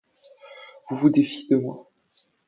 Vous vous défiez de moi